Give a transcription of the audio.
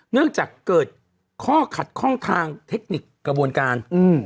เนื่องจากเกิดข้อขัดข้องทางเทคนิคกระบวนการ